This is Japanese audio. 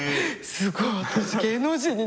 すごい私芸能人になれる。